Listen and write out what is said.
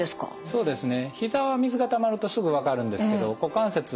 そうですね。